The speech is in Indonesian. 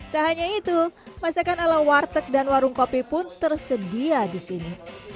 tak hanya itu masakan ala warteg dan warung kopi pun tersedia di sini